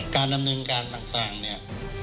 การดำเนินการต่างเนี่ย